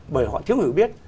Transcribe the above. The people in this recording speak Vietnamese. bởi họ thiếu hiểu biết